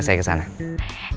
saya mau ke party